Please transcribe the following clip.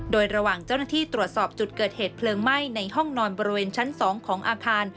โดยระหว่างเจ้าหน้าที่ตรวจสอบจุดเกิดเหตุเพลิงไหม้ในห้องนอนบริเวณชั้น๒ของอาคาร